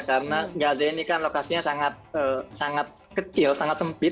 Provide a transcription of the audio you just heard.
karena gaza ini kan lokasinya sangat kecil sangat sempit